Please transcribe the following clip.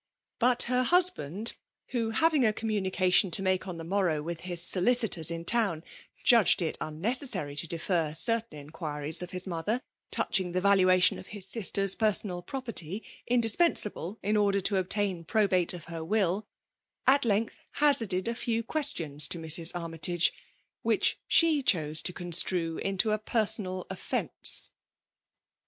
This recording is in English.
Bat her husband, who, having a communication to make on the morrow with his solicitors in town, judged it unnecessary to defer certain inquiries of his mother, touching the valuation of his sister's personal property, indispensable in order to obtain probate of her will, at length hazarded a few questions to Mrs. Armytage, which she chose to construe into a personal offence.